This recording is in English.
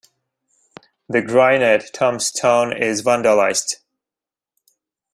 The granite tombstone is vandalised.